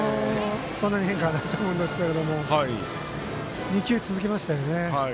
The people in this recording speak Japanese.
そんなに変化なかったと思うんですけど２球続けましたよね。